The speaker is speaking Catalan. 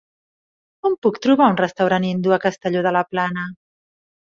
On puc trobar un restaurant hindú a Castelló de la Plana?